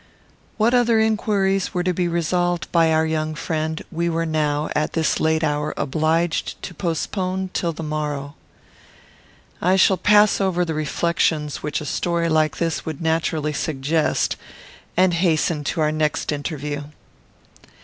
What other inquiries were to be resolved by our young friend, we were now, at this late hour, obliged to postpone till the morrow. I shall pass over the reflections which a story like this would naturally suggest, and hasten to our next interview.